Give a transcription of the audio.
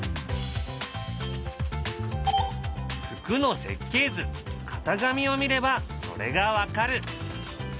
服の設計図型紙を見ればそれが分かる。